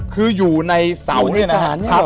คืออยู่ในเสานี่นะครับ